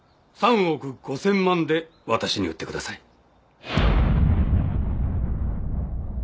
３億５，０００万で私に売ってください。